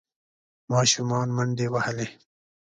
ماشومان منډې وهلې.